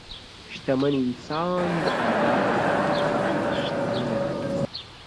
شتمن انسان د الله د رضا لپاره شتمن وي.